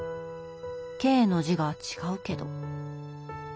「系」の字が違うけど。